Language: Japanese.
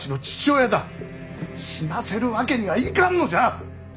死なせるわけにはいかんのじゃ！